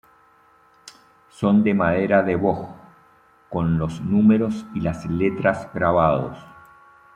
Son de madera de boj, con los números y letras grabados.